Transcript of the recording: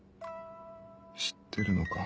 知ってるのか。